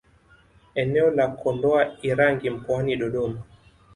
Eneo la Kondoa Irangi mkoani Dodoma